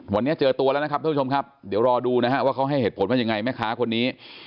วันนี้เจอตัวแล้วนะครับท่านผู้ชมครับเดี๋ยวรอดูนะฮะว่าเขาให้เหตุผลว่ายังไงแม่ค้าคนนี้